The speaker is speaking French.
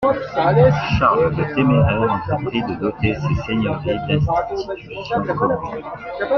Charles le Téméraire entreprit de doter ses seigneuries d'institutions communes.